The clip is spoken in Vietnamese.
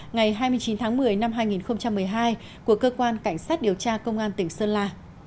ngày hai mươi chín tháng một mươi năm hai nghìn một mươi hai của cơ quan cảnh sát điều tra công an tỉnh sơn la